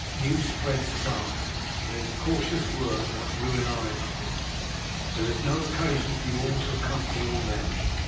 News spreads fast, and an incautious word might ruin our enterprise. There is no occasion for you all to accompany your men.